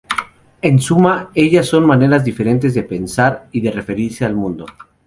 En suma, ellas son maneras diferentes de pensar y de referirse al mundo.